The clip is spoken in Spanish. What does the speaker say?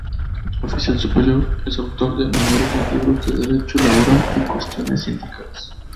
Oficial superior, es autor de numerosos libros de derecho laboral y cuestiones sindicales.